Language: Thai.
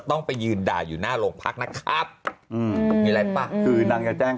ต้องไปยืนด่าอยู่หน้าโรงพักนะครับอืมมีอะไรป่ะคือนางจะแจ้ง